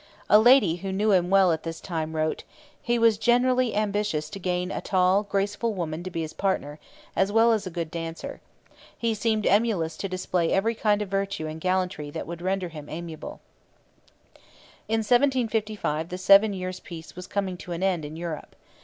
A lady who knew him well at this time wrote: 'He was generally ambitious to gain a tall, graceful woman to be his partner, as well as a good dancer. He seemed emulous to display every kind of virtue and gallantry that would render him amiable.' In 1755 the Seven Years' Peace was coming to an end in Europe.